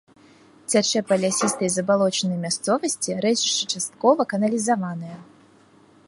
Цячэ па лясістай забалочанай мясцовасці, рэчышча часткова каналізаванае.